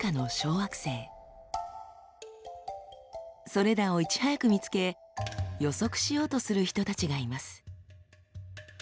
それらをいち早く見つけ予測しようとする人たちがいます。